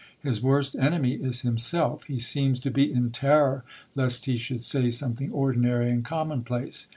His worst enemy is himself. He seems to be in terror lest he should say something ordinary and commonplace.